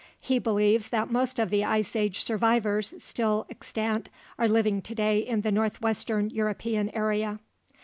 He believes that most of the Ice Age survivors still extant are living today in the northwestern European area.